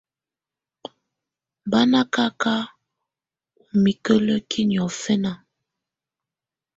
Bà na kaka ù mikǝ́lǝ́ki niɔ̀fɛna.